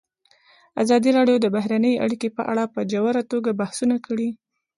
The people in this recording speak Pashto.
ازادي راډیو د بهرنۍ اړیکې په اړه په ژوره توګه بحثونه کړي.